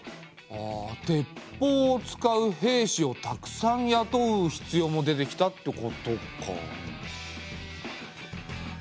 あ鉄砲を使う兵士をたくさんやとう必要も出てきたってことか。